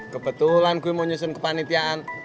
kebetulan gue mau nyusun ke panitiaan